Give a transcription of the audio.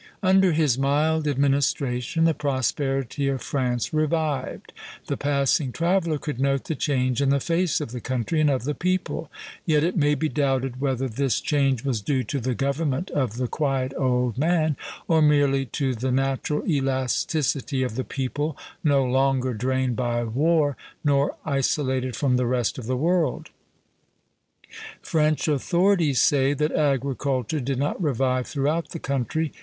Under his mild administration the prosperity of France revived; the passing traveller could note the change in the face of the country and of the people; yet it may be doubted whether this change was due to the government of the quiet old man, or merely to the natural elasticity of the people, no longer drained by war nor isolated from the rest of the world. French authorities say that agriculture did not revive throughout the country.